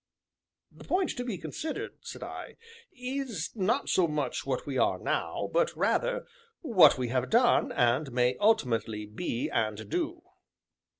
"The point to be considered," said I, "is not so much what we now are, but rather, what we have done, and may ultimately be, and do."